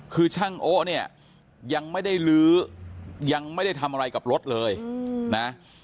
คือช่างโอ๊ะเนี่ยยังไม่ได้ลื้อยังไม่ได้ทำอะไรกับรถเลยนะ